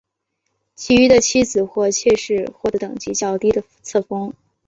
其余的妻子或妾室获得等级较低的册封。